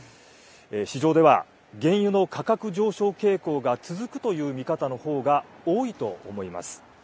市場では、原油の価格上昇傾向が続くという見方のほうが多いと思います。